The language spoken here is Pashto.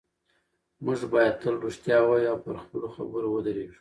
موږ باید تل رښتیا ووایو او پر خپلو خبرو ودرېږو